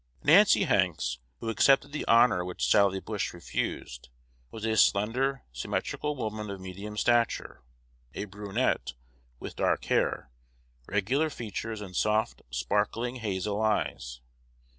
Nancy Hanks, who accepted the honor which Sally Bush refused, was a slender, symmetrical woman, of medium stature, a brunette, with dark hair, regular features, and soft, sparkling hazel eyes.